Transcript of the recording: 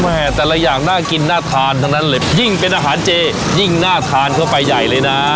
แต่ละอย่างน่ากินน่าทานทั้งนั้นเลยยิ่งเป็นอาหารเจยิ่งน่าทานเข้าไปใหญ่เลยนะ